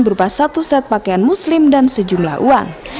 berupa satu set pakaian muslim dan sejumlah uang